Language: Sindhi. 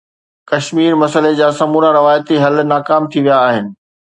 ڪشمير مسئلي جا سمورا روايتي حل ناڪام ٿي ويا آهن.